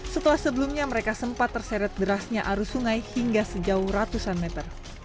setelah sebelumnya mereka sempat terseret derasnya arus sungai hingga sejauh ratusan meter